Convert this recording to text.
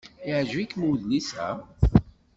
Yeɛjeb-ikem udlis-a?